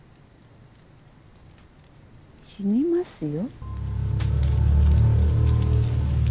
死にますよ。